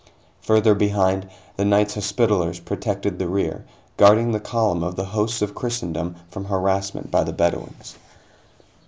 Further behind, the Knights Hospitallers protected the rear, guarding the column of the hosts of Christendom from harassment by the Bedouins.